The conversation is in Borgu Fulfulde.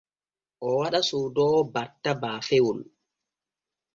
Oo waɗa soodoowo batta baafewol.